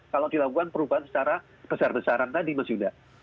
kalau dilakukan perubahan secara besar besaran tadi mas yuda